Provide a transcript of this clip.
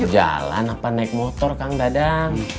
jalan apa naik motor kang dadang